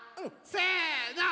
せの。